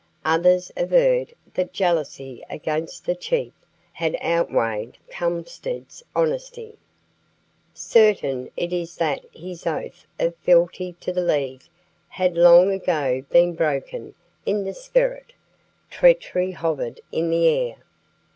Others averred that jealousy against the chief had outweighed Kulmsted's honesty. Certain it is that his oath of fealty to the League had long ago been broken in the spirit. Treachery hovered in the air.